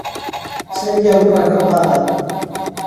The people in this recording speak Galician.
Saíulle a burra capada!